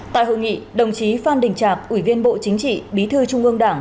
tại hội nghị đồng chí phan đình trạc ủy viên bộ chính trị bí thư trung ương đảng